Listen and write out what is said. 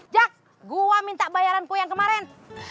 jak gue minta bayaran ku yang kemarin